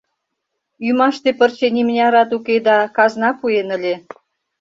Ӱмаште пырче нимынярат уке да, казна пуэн ыле.